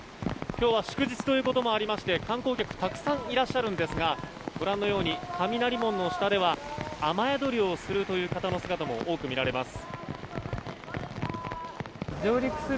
今日は祝日ということもありまして観光客たくさんいらっしゃるんですがご覧のように雷門の下では雨宿りをする人の姿が多く見られます。